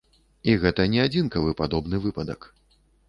І гэта не адзінкавы падобны выпадак.